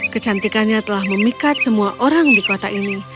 kecantikannya telah memikat semua orang di kota ini